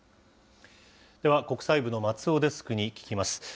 では国際部の松尾デスクに聞きます。